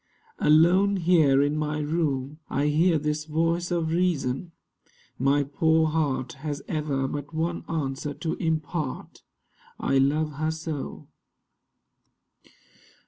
Alone here in my room, I hear this voice of Reason. My poor heart Has ever but one answer to impart, 'I love her so.